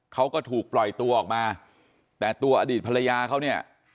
เขาก็ถูกปล่อยตัวออกมาแต่ตัวอดีตภรรยาเขาเนี่ย